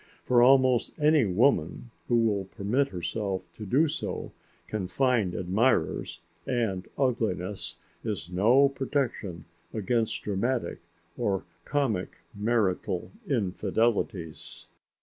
For almost any woman who will permit herself to do so can find admirers, and ugliness is no protection against dramatic or comic marital infidelities.